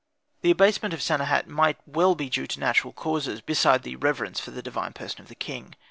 The abasement of Sanehat might well be due to natural causes, beside the reverence for the divine person of the king.